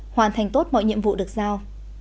hoàn thành tốt mọi nhiệm vụ được giao